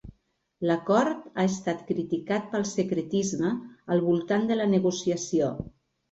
L'acord ha estat criticat pel secretisme al voltant de la negociació.